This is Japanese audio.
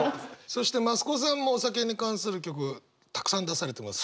そして増子さんもお酒に関する曲たくさん出されてます。